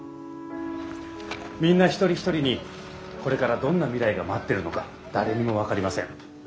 みんな一人一人にこれからどんな未来が待ってるのか誰にも分かりません。